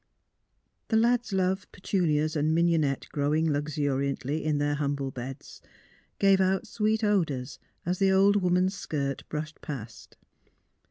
The lad's love, petunias, and mignonette grow ing luxuriantly in their humble beds gave out sweet odours as the old woman's skirt brushed past.